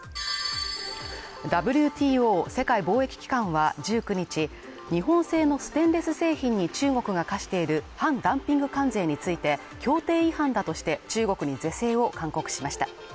ＷＴＯ＝世界貿易機関は１９日日本製のステンレス製品に中国が課している反ダンピング関税について協定違反だとして中国に是正を勧告しました。